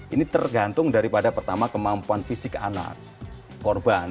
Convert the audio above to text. ini tergantung daripada pertama kemampuan fisik anak korban